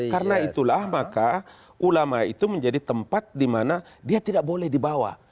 karena itulah maka ulama itu menjadi tempat dimana dia tidak boleh dibawa